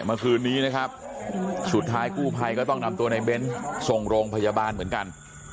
เมื่อคืนนี้นะครับสุดท้ายกู้ภัยก็ต้องนำตัวในเบ้นส่งโรงพยาบาลเหมือนกัน